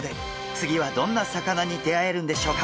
次はどんな魚に出会えるんでしょうか？